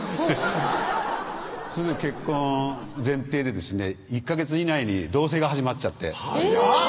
結婚前提にですね１ヵ月以内に同棲が始まっちゃって早っ！